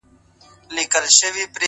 دا درېيم ځل دی چي مات زړه ټولوم!